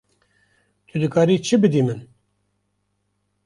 Tu dikarî çi bidî min?